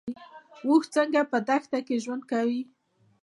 اوښ څنګه په دښته کې ژوند کوي؟